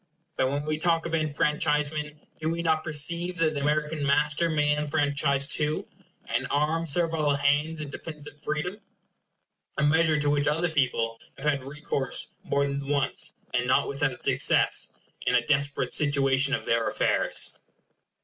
But when we talk of enfranchisement, do we not perceive that the American master may enfranchise too, and arm servile hands in defence of freedom? a measure to which other people have had recourse more than once, and not without success, in a desperate situation of their affairs.